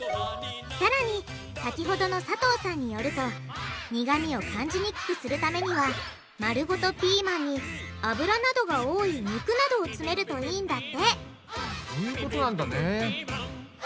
さらに先ほどの佐藤さんによると苦味を感じにくくするためには丸ごとピーマンにアブラなどが多い肉などを詰めるといいんだってそういうことなんだね。